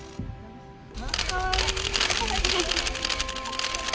かわいい。